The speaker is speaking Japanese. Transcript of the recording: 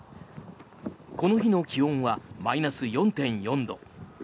この日の気温はマイナス４．４度。